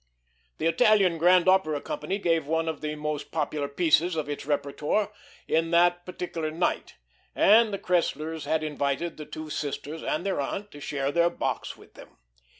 The Italian Grand Opera Company gave one of the most popular pieces of its repertoire on that particular night, and the Cresslers had invited the two sisters and their aunt to share their box with them.